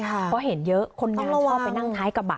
เพราะเห็นเยอะคนงานชอบไปนั่งท้ายกระบะ